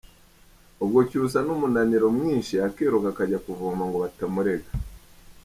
Ubwo Cyusa n'umunaniro mwinshi akiruka akajya kuvoma ngo batamurega.